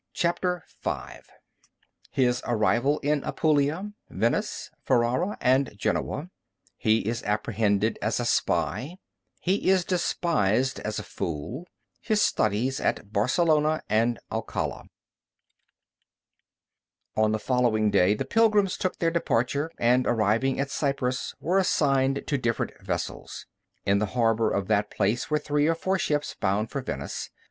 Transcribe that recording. CHAPTER V HIS ARRIVAL IN APULIA, VENICE, FERRARA, AND GENOA HE IS APPREHENDED AS A SPY HE IS DESPISED AS A FOOL HIS STUDIES AT BARCELONA AND ALCALA On the following day the pilgrims took their departure, and arriving at Cyprus, were assigned to different vessels. In the harbor of that place were three or four ships bound for Venice.